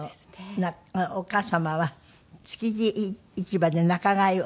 お母様は築地市場で仲買を？